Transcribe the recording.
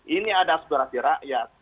ini ada aspirasi rakyat